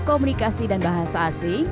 komunikasi dan bahasa asing